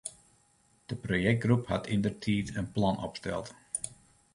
De projektgroep hat yndertiid in plan opsteld.